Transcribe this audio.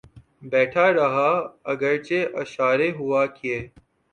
بیٹھا رہا اگرچہ اشارے ہوا کیے